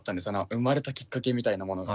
生まれたきっかけみたいなものが。